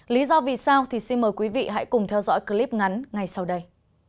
lý do vì sao thì xin mời quý vị hãy cùng theo dõi clip ngắn ngay sau đây